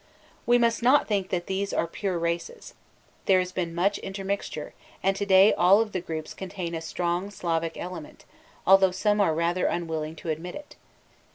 We must not think that these are pure races. There has been much intermixture, and to day all of the groups contain a strong Slavic element, although some are rather unwilling to admit it.